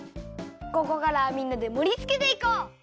ここからはみんなでもりつけていこう！